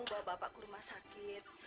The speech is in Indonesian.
bawa bapak ke rumah sakit